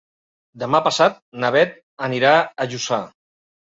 Demà passat na Beth anirà a Lluçà.